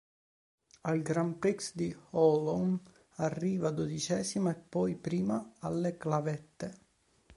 Al Grand Prix di Holon arriva dodicesima e poi prima alle clavette.